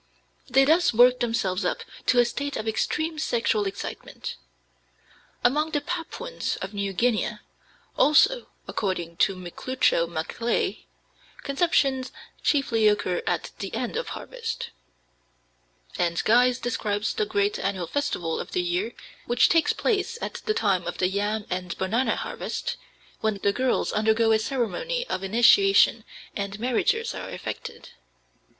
They thus work themselves up to a state of extreme sexual excitement. Among the Papuans of New Guinea, also, according to Miklucho Macleay, conceptions chiefly occur at the end of harvest, and Guise describes the great annual festival of the year which takes place at the time of the yam and banana harvest, when the girls undergo a ceremony of initiation and marriages are effected.